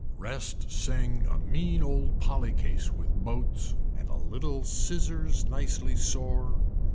Rest sing a mean old polly case with boats and a little scissors nicely sore.